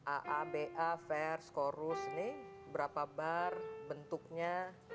aa ba vers korus berapa bar bentuknya